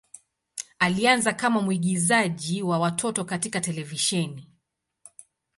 Alianza kama mwigizaji wa watoto katika televisheni.